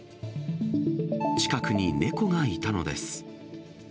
近くに猫がいたのです。